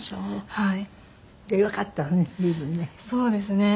はい。